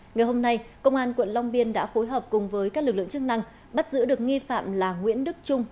ngày hôm nay công an quận long biên đã phối hợp cùng với các lực lượng chức năng bắt giữ được nghi phạm là nguyễn đức trung